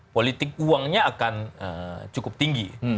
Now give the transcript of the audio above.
politik uangnya akan cukup tinggi